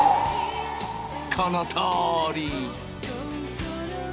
このとおり！